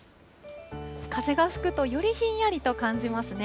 風が吹くと、よりひんやりと感じますね。